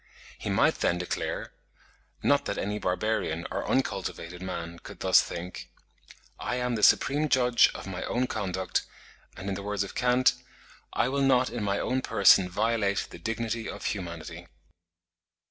He might then declare—not that any barbarian or uncultivated man could thus think—I am the supreme judge of my own conduct, and in the words of Kant, I will not in my own person violate the dignity of humanity.